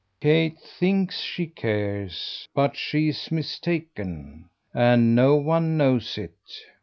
"Kate thinks she cares. But she's mistaken. And no one knows it."